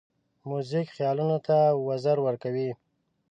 موزیک خیالونو ته وزر ورکوي.